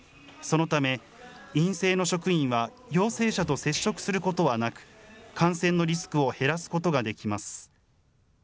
そのため、陰性の職員は陽性者と接触することはなく、感染のリスクを減らすことができます。